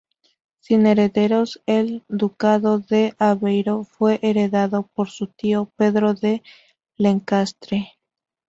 Sin herederos, el Ducado de Aveiro fue heredado por su tío, Pedro de Lencastre.